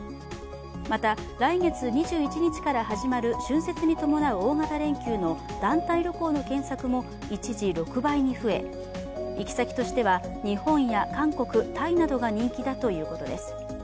また、来月２１日から始まる春節に伴う大型連休の団体旅行の検索も一時、６倍に増え行先としては、日本や韓国、タイなどが人気だということです。